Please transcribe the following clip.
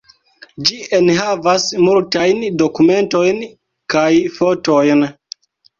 Ĝi enhavas multajn dokumentojn kaj fotojn.